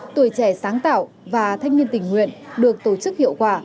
tuổi trẻ sáng tạo và thanh niên tình nguyện được tổ chức hiệu quả